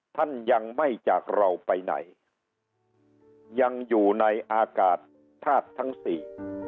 ท่านยังไม่จากเราไปไหนยังอยู่ในอากาศธาตุทั้งสี่